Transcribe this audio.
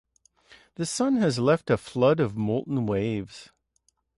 The sun has left a flood of molten waves.